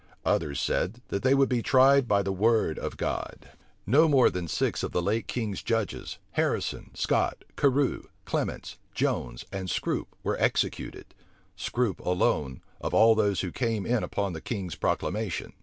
Others said, that they would be tried by the word of God. No more than six of the late king's judges, Harrison, Scot, Carew, Clement, Jones, and Scrope, were executed; Scrope alone, of all those who came in upon the king's proclamation.